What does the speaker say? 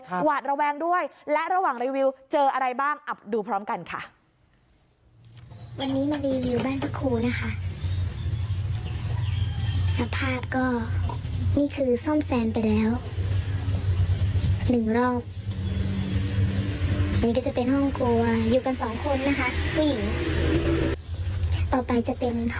หวาดระแวงด้วยและระหว่างรีวิวเจออะไรบ้างดูพร้อมกันค่ะ